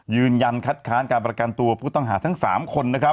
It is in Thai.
ยืนยันคัดค้านการประกันตัวผู้ต้องหาทั้ง๓คนนะครับ